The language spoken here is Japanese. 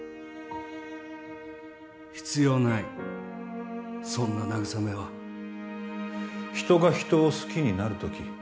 必要ないそんな慰めは人が人を好きになる時